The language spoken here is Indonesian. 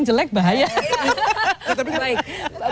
jadi ini yang penting sekali